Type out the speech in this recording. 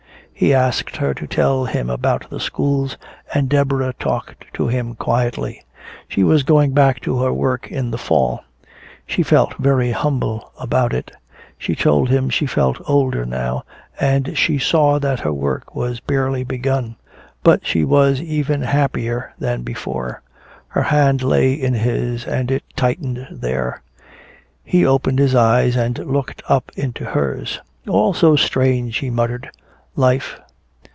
He asked her to tell him about the schools, and Deborah talked to him quietly. She was going back to her work in the fall. She felt very humble about it she told him she felt older now and she saw that her work was barely begun. But she was even happier than before. Her hand lay in his, and it tightened there. He opened his eyes and looked up into hers. "All so strange," he muttered, "life."